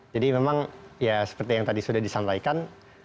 jadi memang ya seperti yang tadi sudah disampaikan